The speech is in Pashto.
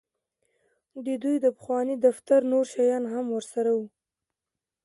د دوی د پخواني دفتر نور شیان هم ورسره وو